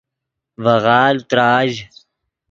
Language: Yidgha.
ڤے غالڤ تراژ